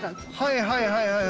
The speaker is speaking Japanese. はいはいはいはい。